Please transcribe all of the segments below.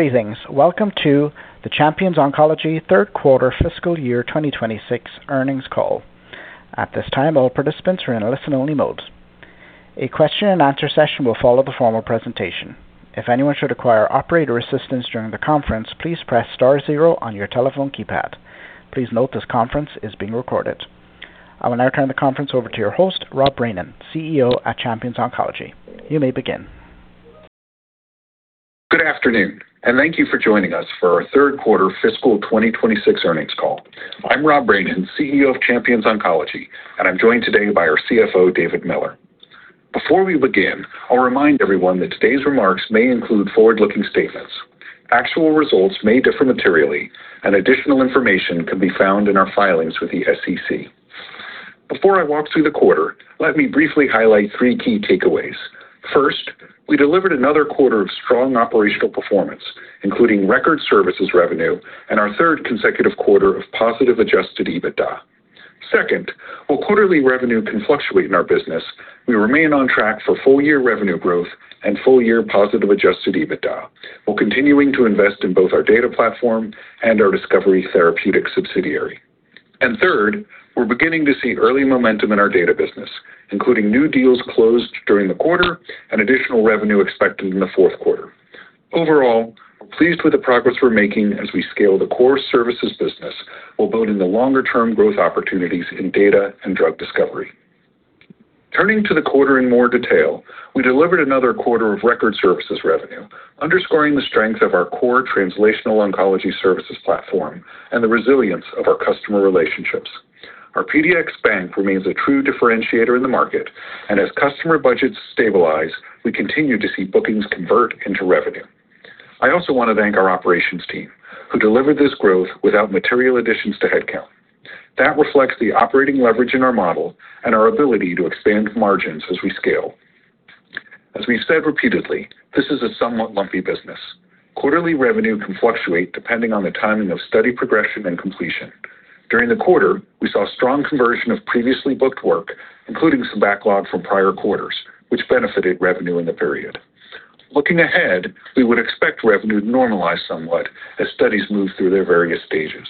Greetings. Welcome to the Champions Oncology third quarter fiscal year 2026 earnings call. At this time, all participants are in a listen-only mode. A question and answer session will follow the formal presentation. If anyone should require operator assistance during the conference, please press star zero on your telephone keypad. Please note this conference is being recorded. I will now turn the conference over to your host, Rob Brainin, CEO at Champions Oncology. You may begin. Good afternoon, and thank you for joining us for our third quarter fiscal 2026 earnings call. I'm Rob Brainin, CEO of Champions Oncology, and I'm joined today by our CFO, David Miller. Before we begin, I'll remind everyone that today's remarks may include forward-looking statements. Actual results may differ materially, and additional information can be found in our filings with the SEC. Before I walk through the quarter, let me briefly highlight three key takeaways. First, we delivered another quarter of strong operational performance, including record services revenue and our third consecutive quarter of positive adjusted EBITDA. Second, while quarterly revenue can fluctuate in our business, we remain on track for full-year revenue growth and full-year positive adjusted EBITDA while continuing to invest in both our data platform and our discovery therapeutic subsidiary. Third, we're beginning to see early momentum in our data business, including new deals closed during the quarter and additional revenue expected in the fourth quarter. Overall, we're pleased with the progress we're making as we scale the core services business while building the longer-term growth opportunities in data and drug discovery. Turning to the quarter in more detail, we delivered another quarter of record services revenue, underscoring the strength of our core translational oncology services platform and the resilience of our customer relationships. Our PDX bank remains a true differentiator in the market, and as customer budgets stabilize, we continue to see bookings convert into revenue. I also want to thank our operations team, who delivered this growth without material additions to headcount. That reflects the operating leverage in our model and our ability to expand margins as we scale. As we've said repeatedly, this is a somewhat lumpy business. Quarterly revenue can fluctuate depending on the timing of study progression and completion. During the quarter, we saw strong conversion of previously booked work, including some backlog from prior quarters, which benefited revenue in the period. Looking ahead, we would expect revenue to normalize somewhat as studies move through their various stages.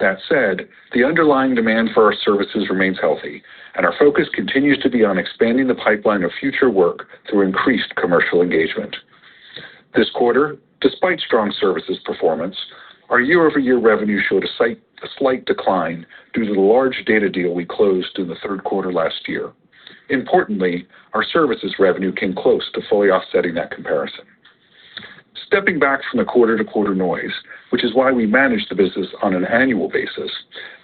That said, the underlying demand for our services remains healthy, and our focus continues to be on expanding the pipeline of future work through increased commercial engagement. This quarter, despite strong services performance, our year-over-year revenue showed a slight decline due to the large data deal we closed in the third quarter last year. Importantly, our services revenue came close to fully offsetting that comparison. Stepping back from the quarter-to-quarter noise, which is why we manage the business on an annual basis,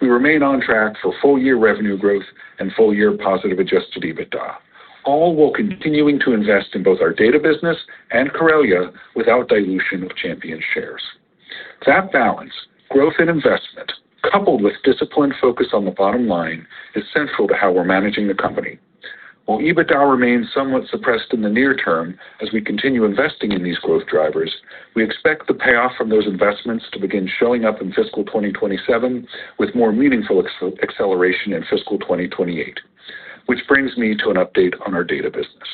we remain on track for full-year revenue growth and full-year positive adjusted EBITDA, all while continuing to invest in both our data business and Corellia without dilution of Champions shares. That balance, growth, and investment, coupled with disciplined focus on the bottom line, is central to how we're managing the company. While EBITDA remains somewhat suppressed in the near term as we continue investing in these growth drivers, we expect the payoff from those investments to begin showing up in fiscal 2027 with more meaningful acceleration in fiscal 2028. Which brings me to an update on our data business.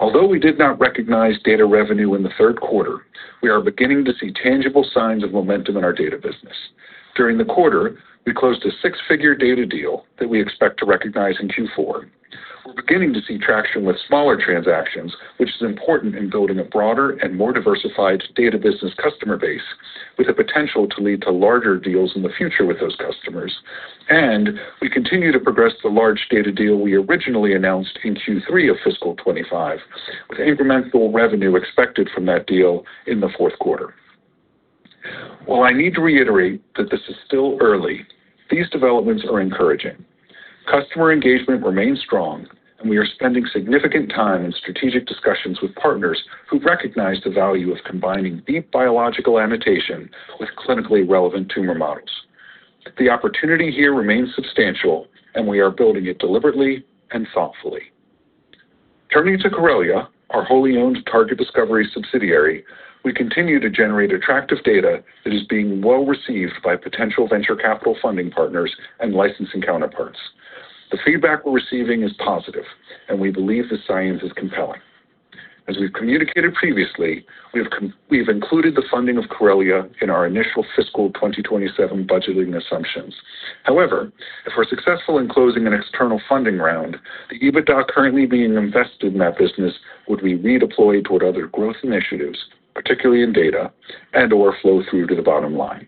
Although we did not recognize data revenue in the third quarter, we are beginning to see tangible signs of momentum in our data business. During the quarter, we closed a six-figure data deal that we expect to recognize in Q4. We're beginning to see traction with smaller transactions, which is important in building a broader and more diversified data business customer base with the potential to lead to larger deals in the future with those customers. We continue to progress the large data deal we originally announced in Q3 of fiscal 2025, with incremental revenue expected from that deal in the fourth quarter. While I need to reiterate that this is still early, these developments are encouraging. Customer engagement remains strong, and we are spending significant time in strategic discussions with partners who recognize the value of combining deep biological annotation with clinically relevant tumor models. The opportunity here remains substantial, and we are building it deliberately and thoughtfully. Turning to Corellia, our wholly owned target discovery subsidiary, we continue to generate attractive data that is being well received by potential venture capital funding partners and licensing counterparts. The feedback we're receiving is positive, and we believe the science is compelling. As we've communicated previously, we've included the funding of Corellia in our initial fiscal 2027 budgeting assumptions. However, if we're successful in closing an external funding round, the EBITDA currently being invested in that business would be redeployed toward other growth initiatives, particularly in data and/or flow through to the bottom line.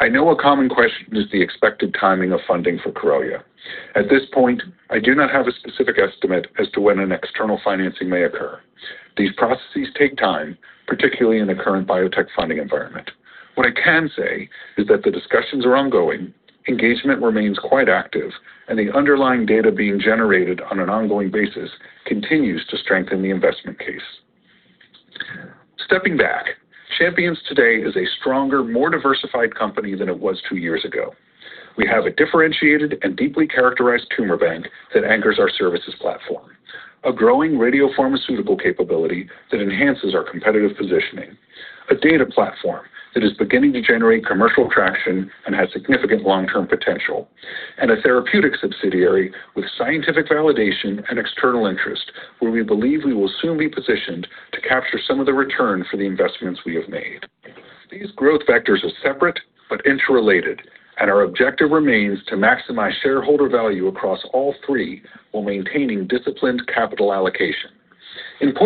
I know a common question is the expected timing of funding for Corellia. At this point, I do not have a specific estimate as to when an external financing may occur. These processes take time, particularly in the current biotech funding environment. What I can say is that the discussions are ongoing, engagement remains quite active, and the underlying data being generated on an ongoing basis continues to strengthen the investment case. Stepping back, Champions today is a stronger, more diversified company than it was two years ago. We have a differentiated and deeply characterized tumor bank that anchors our services platform, a growing radiopharmaceutical capability that enhances our competitive positioning, a data platform that is beginning to generate commercial traction and has significant long-term potential, and a therapeutic subsidiary with scientific validation and external interest where we believe we will soon be positioned to capture some of the return for the investments we have made. These growth vectors are separate but interrelated, and our objective remains to maximize shareholder value across all three while maintaining disciplined capital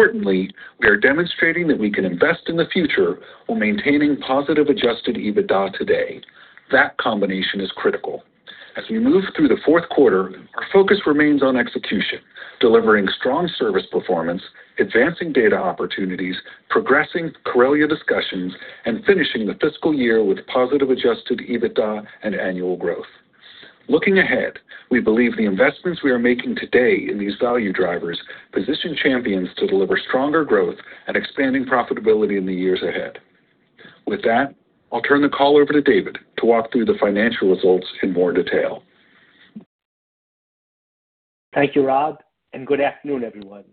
allocation. Importantly, we are demonstrating that we can invest in the future while maintaining positive adjusted EBITDA today. That combination is critical. As we move through the fourth quarter, our focus remains on execution, delivering strong service performance, advancing data opportunities, progressing Corellia discussions, and finishing the fiscal year with positive adjusted EBITDA and annual growth. Looking ahead, we believe the investments we are making today in these value drivers position Champions to deliver stronger growth and expanding profitability in the years ahead. With that, I'll turn the call over to David to walk through the financial results in more detail. Thank you, Rob, and good afternoon, everyone.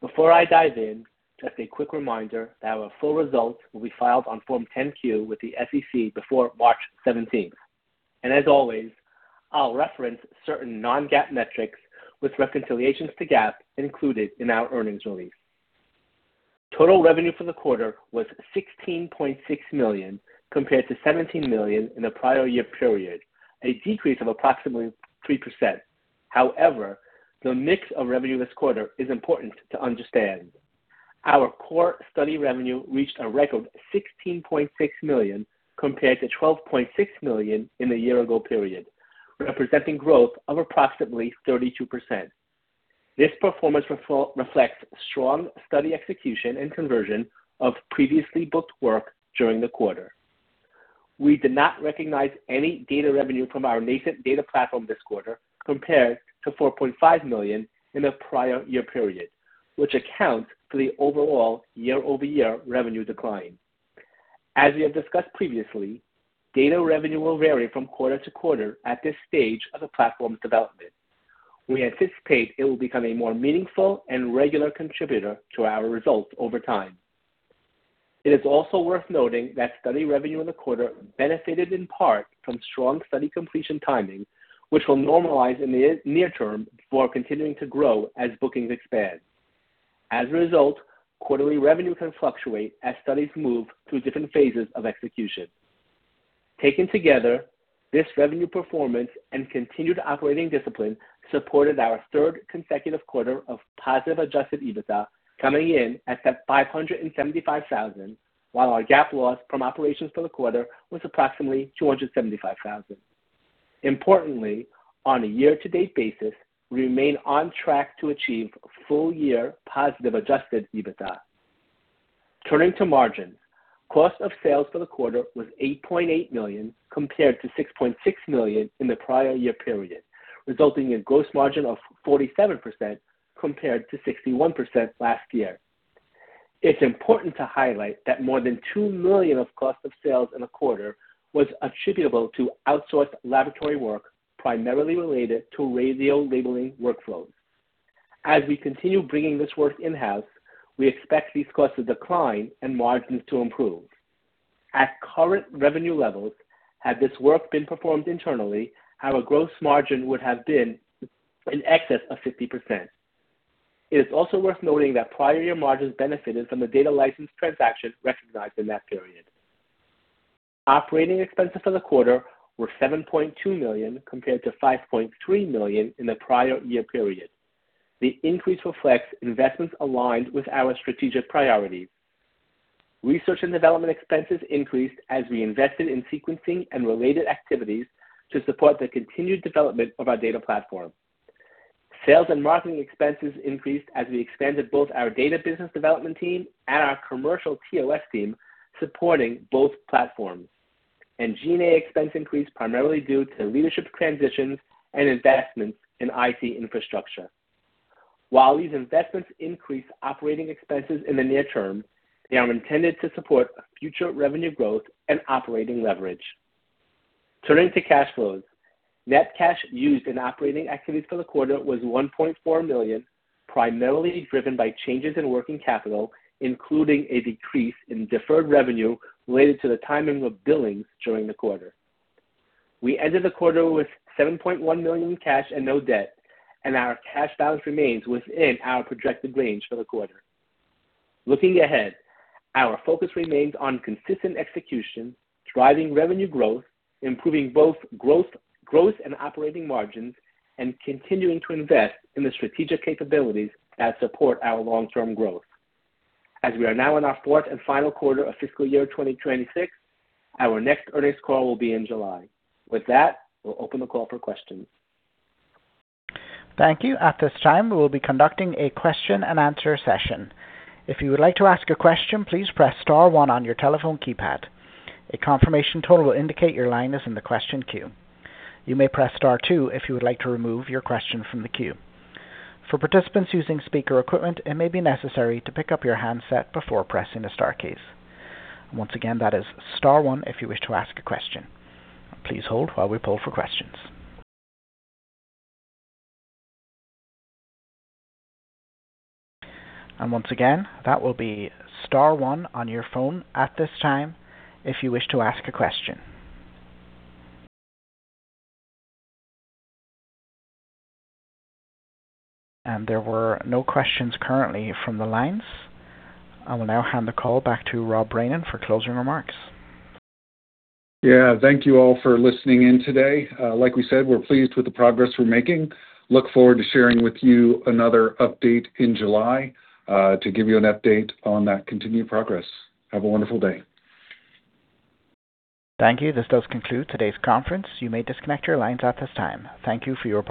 Before I dive in, just a quick reminder that our full results will be filed on Form 10-Q with the SEC before March 17th. As always, I'll reference certain non-GAAP metrics with reconciliations to GAAP included in our earnings release. Total revenue for the quarter was $16.6 million compared to $17 million in the prior year period, a decrease of approximately 3%. However, the mix of revenue this quarter is important to understand. Our core study revenue reached a record $16.6 million compared to $12.6 million in the year-ago period, representing growth of approximately 32%. This performance reflects strong study execution and conversion of previously booked work during the quarter. We did not recognize any data revenue from our nascent data platform this quarter compared to $4.5 million in the prior year period, which accounts for the overall year-over-year revenue decline. As we have discussed previously, data revenue will vary from quarter to quarter at this stage of the platform's development. We anticipate it will become a more meaningful and regular contributor to our results over time. It is also worth noting that study revenue in the quarter benefited in part from strong study completion timing, which will normalize in the near term before continuing to grow as bookings expand. As a result, quarterly revenue can fluctuate as studies move through different phases of execution. Taken together, this revenue performance and continued operating discipline supported our third consecutive quarter of positive adjusted EBITDA, coming in at $575,000, while our GAAP loss from operations for the quarter was approximately $275,000. Importantly, on a year-to-date basis, we remain on track to achieve full-year positive adjusted EBITDA. Turning to margins. Cost of sales for the quarter was $8.8 million compared to $6.6 million in the prior year period, resulting in gross margin of 47% compared to 61% last year. It's important to highlight that more than $2 million of cost of sales in the quarter was attributable to outsourced laboratory work, primarily related to radiolabeling workflows. As we continue bringing this work in-house, we expect these costs to decline and margins to improve. At current revenue levels, had this work been performed internally, our gross margin would have been in excess of 50%. It is also worth noting that prior year margins benefited from the data license transaction recognized in that period. Operating expenses for the quarter were $7.2 million compared to $5.3 million in the prior year period. The increase reflects investments aligned with our strategic priorities. Research and development expenses increased as we invested in sequencing and related activities to support the continued development of our data platform. Sales and marketing expenses increased as we expanded both our data business development team and our commercial POS team, supporting both platforms. G&A expense increased primarily due to leadership transitions and investments in IT infrastructure. While these investments increase operating expenses in the near term, they are intended to support future revenue growth and operating leverage. Turning to cash flows. Net cash used in operating activities for the quarter was $1.4 million, primarily driven by changes in working capital, including a decrease in deferred revenue related to the timing of billings during the quarter. We ended the quarter with $7.1 million in cash and no debt, and our cash balance remains within our projected range for the quarter. Looking ahead, our focus remains on consistent execution, driving revenue growth, improving both growth and operating margins, and continuing to invest in the strategic capabilities that support our long-term growth. As we are now in our fourth and final quarter of fiscal year 2026, our next earnings call will be in July. With that, we'll open the call for questions. Thank you. At this time, we will be conducting a question and answer session. If you would like to ask a question, please press star one on your telephone keypad. A confirmation tone will indicate your line is in the question queue. You may press star two if you would like to remove your question from the queue. For participants using speaker equipment, it may be necessary to pick up your handset before pressing the star keys. Once again, that is star one if you wish to ask a question. Please hold while we pull for questions. Once again, that will be star one on your phone at this time if you wish to ask a question. There were no questions currently from the lines. I will now hand the call back to Rob Brainin for closing remarks. Yeah. Thank you all for listening in today. Like we said, we're pleased with the progress we're making. Look forward to sharing with you another update in July, to give you an update on that continued progress. Have a wonderful day. Thank you. This does conclude today's conference. You may disconnect your lines at this time. Thank you for your participation.